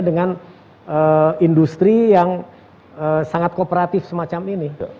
dengan industri yang sangat kooperatif semacam ini